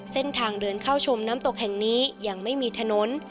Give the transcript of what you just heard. เส้นทางเดินเข้าชมน้ำตกแห่งนี้ยังไม่มีถนน